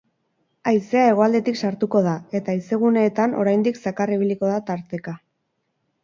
Haizea hegoaldetik sartuko da, eta haizeguneetan oraindik zakar ibiliko da tarteka.